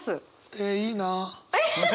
えいいな。